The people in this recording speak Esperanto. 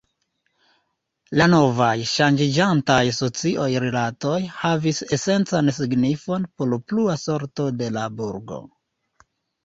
La novaj, ŝanĝiĝantaj sociaj rilatoj, havis esencan signifon por plua sorto de la burgo.